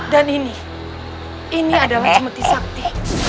dan ini ini adalah cemuti sakti